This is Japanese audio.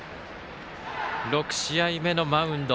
６試合目のマウンド。